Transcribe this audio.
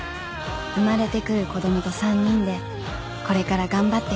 「生まれてくる子供と３人でこれから頑張っていきます」